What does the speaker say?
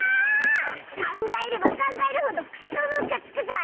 考えれば考えるほどクソムカつくぞ